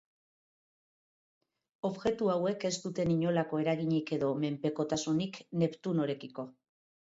Objektu hauek ez duten inolako eraginik edo menpekotasunik Neptunorekiko.